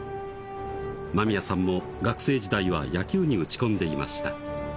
間宮さんも学生時代は野球に打ち込んでいました